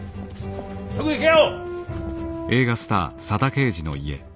すぐ行けよ！